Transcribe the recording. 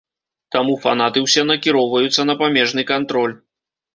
Таму фанаты ўсе накіроўваюцца на памежны кантроль.